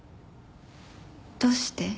どうして？